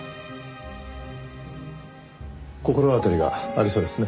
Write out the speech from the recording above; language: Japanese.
心当たりがありそうですね。